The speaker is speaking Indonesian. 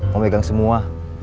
mau megang semua